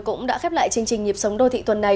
cũng đã khép lại chương trình nhịp sống đô thị tuần này